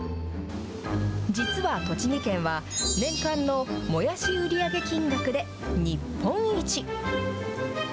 実は栃木県は、年間のもやし売り上げ金額で、日本一。